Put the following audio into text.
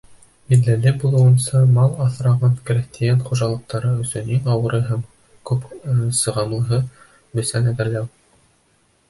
Билдәле булыуынса, мал аҫраған крәҫтиән хужалыҡтары өсөн иң ауыры һәм күп сығымлыһы — бесән әҙерләү.